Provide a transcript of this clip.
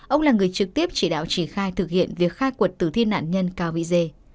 ông là người trực tiếp chỉ đạo chỉ khai thực hiện việc khai cuộc tử thi nạn nhân cao vy dê